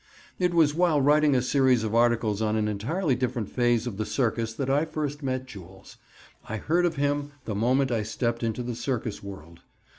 It was while writing a series of articles on an entirely different phase of the circus that I first met Jules. I heard of him the moment I stepped into the circus world.